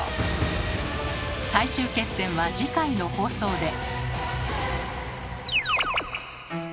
最終決戦は次回の放送で！